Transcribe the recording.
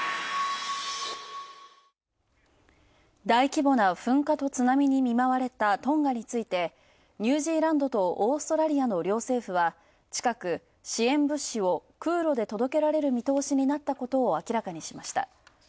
大規模な噴火と津波に見舞われたトンガについて、ニュージーランドとオーストラリアの両政府は近く、支援物資を空路で届けられる見通しになったことを明らかにしました。